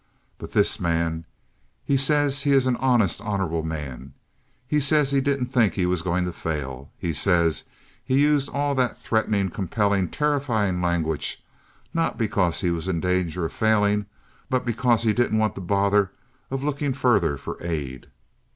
But this man—he says he is an honest, honorable man. He says he didn't think he was going to fail. He says he used all that threatening, compelling, terrifying language, not because he was in danger of failing, but because he didn't want the bother of looking further for aid.